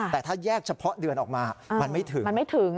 แต่ถ้าแยกเฉพาะเดือนออกมามันไม่ถึง